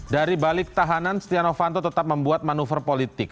dari balik tahanan setia novanto tetap membuat manuver politik